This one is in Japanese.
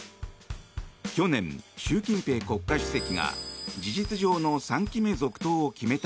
去年、習近平国家主席が事実上の３期目続投を決めた